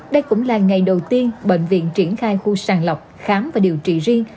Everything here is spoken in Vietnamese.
đây cũng là ngày đầu tiên bệnh viện triển khai khu sàng lọc khám và điều trị riêng